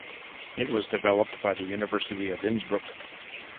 It was developed by the University of Innsbruck.